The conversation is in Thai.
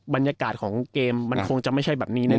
บรรยากาศของเกมมันคงจะไม่ใช่แบบนี้แน่